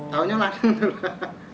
tahunya lana dulu